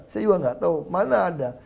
saya juga nggak tahu mana ada